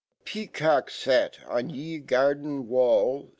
: peacock sat ny garden wall